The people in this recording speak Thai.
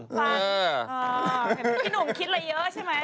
พี่หนุ่มคิดอะไรเยอะใช่ไหม